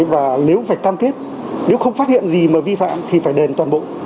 và nếu phải cam kết nếu không phát hiện gì mà vi phạm thì phải đền toàn bộ